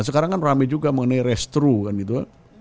sekarang kan rame juga mengenai restru kan gitu